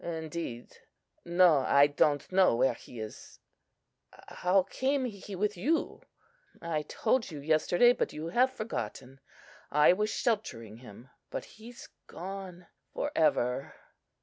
"Indeed! No, I don't know where he is. How came he with you?" "I told you yesterday; but you have forgotten. I was sheltering him; but he's gone for ever."